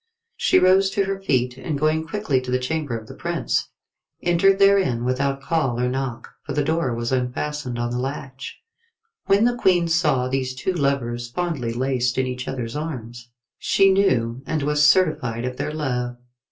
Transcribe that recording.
She rose to her feet, and going quickly to the chamber of the prince, entered therein without call or knock, for the door was unfastened on the latch. When the Queen saw these two lovers fondly laced in each other's arms, she knew and was certified of their love.